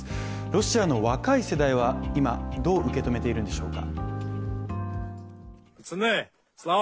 ロシアの若い世代は今、どう受け止めているのでしょうか。